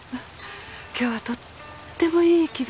今日はとってもいい気分だわ。